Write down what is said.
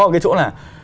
ở cái chỗ là